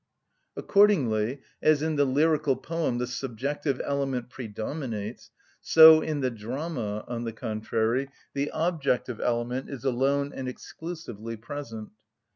Accordingly, as in the lyrical poem the subjective element predominates, so in the drama, on the contrary, the objective element is alone and exclusively present.